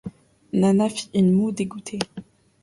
Nana fit une moue dégoûtée.